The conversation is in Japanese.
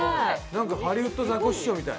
ハリウッドザコシショウみたい。